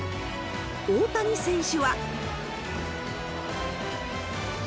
大谷選手は。